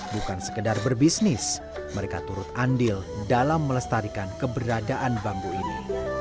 bukan sekedar berbisnis mereka turut andil dalam melestarikan keberadaan bambu ini